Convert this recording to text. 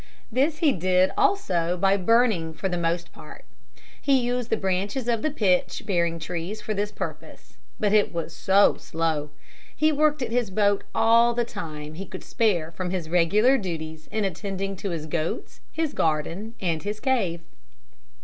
This he did also by burning for the most part. He used the branches of pitch bearing trees for this purpose. But it was so slow. He worked at his boat all the time he could spare from his regular duties in attending to his goats, his garden and his cave.